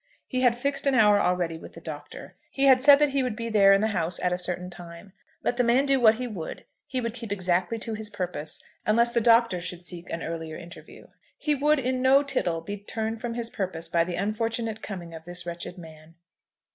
He had fixed an hour already with the Doctor. He had said that he would be there in the house at a certain time. Let the man do what he would he would keep exactly to his purpose, unless the Doctor should seek an earlier interview. He would, in no tittle, be turned from his purpose by the unfortunate coming of this wretched man.